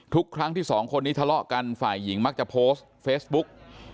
ทุกครั้งที่สองคนนี้ทะเลาะกันฝ่ายหญิงมักจะโพสต์เฟซบุ๊ก